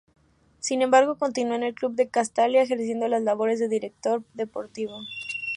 Sin embargo continuó en el club de Castalia ejerciendo las labores de director deportivo.